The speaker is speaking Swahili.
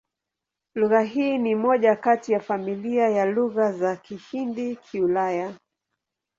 Lugha hii ni moja kati ya familia ya Lugha za Kihindi-Kiulaya.